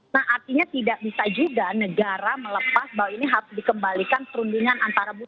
nah artinya tidak bisa juga negara melepas bahwa ini harus dikembalikan perundingan antara budaya